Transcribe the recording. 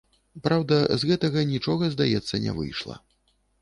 Праўда, з гэтага нічога, здаецца, не выйшла.